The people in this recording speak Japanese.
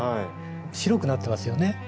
白くなってますよね。